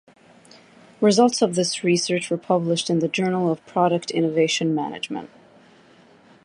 Results of this research were published in the Journal of Product Innovation Management.